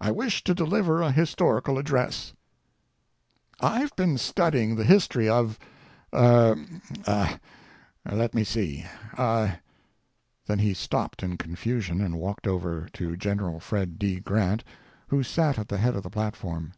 I wish to deliver a historical address. I've been studying the history of— er—a—let me see—a [then he stopped in confusion, and walked over to Gen. Fred D. Grant, who sat at the head of the platform.